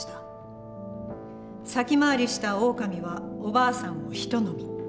先回りしたオオカミはおばあさんをひと呑み。